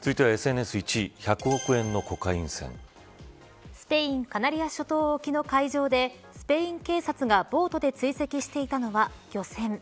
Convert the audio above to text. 続いてはＳＮＳ１位１００億円のコカインスペインカナリア諸島沖の海上でスペイン警察がボートで追跡していたのは漁船。